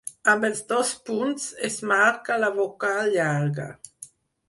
Amb els dos punts es marca la vocal llarga.